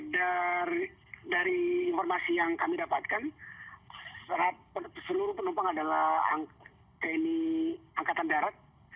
dari informasi yang kami dapatkan seluruh penumpang adalah tni angkatan darat